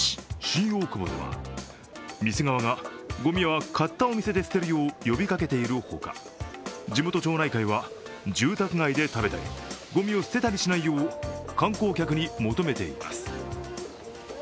新大久保では店側が、ごみは買ったお店で捨てるよう呼びかけているほか地元町内会は、住宅街で食べたり、ごみを捨てたりしないよう観光客に求めています。